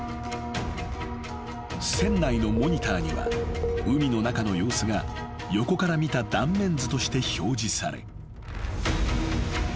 ［船内のモニターには海の中の様子が横から見た断面図として表示され］